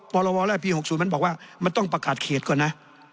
พรวแร่ปี๖๐มันบอกว่ามันต้องประกาศเขตก่อนนะ